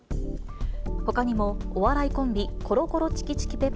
ほかにも、お笑いコンビ、コロコロチキチキ